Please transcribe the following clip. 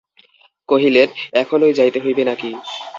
কহিলেন, এখনই যাইতে হইবে নাকি।